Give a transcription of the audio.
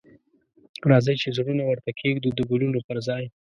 راځئ چې زړونه ورته کښیږدو د ګلونو پر ځای